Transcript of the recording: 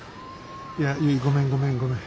いやゆいごめんごめんごめん。